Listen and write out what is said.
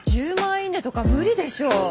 イイネとか無理でしょ。